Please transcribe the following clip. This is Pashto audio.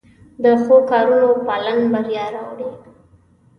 د ښو کارونو پالن بریا راوړي.